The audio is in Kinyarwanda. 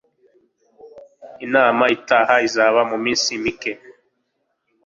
Inama itaha izaba muminsi mike.